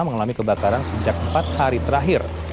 mengalami kebakaran sejak empat hari terakhir